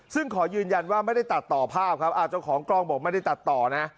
ซึ่งขอยืนยันว่าไม่ได้ตัดต่อภาพครับเจ้าของกล้องบอกไม่ได้ตัดต่อนะ